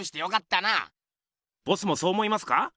ボスもそう思いますか？